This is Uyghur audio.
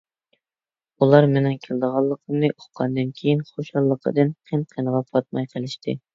ئۇلار مېنىڭ كېلىدىغانلىقىمنى ئۇققاندىن كېيىن خۇشاللىقىدىن قىن-قىنىغا پاتماي قېلىشتى.